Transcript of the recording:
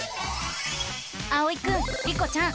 あおいくんリコちゃん